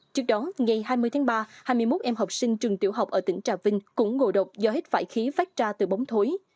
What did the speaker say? trước đó ngày hai mươi tháng ba hai mươi một em học sinh trường tiểu học ở tỉnh trà vinh cũng ngộ độc do hết vải khí phát ra từ bóng thối